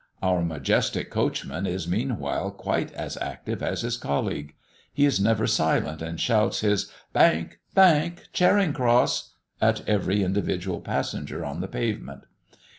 Our majestic coachman is meanwhile quite as active as his colleague. He is never silent, and shouts his "Bank! Bank! Charing cross!" at every individual passenger on the pavement.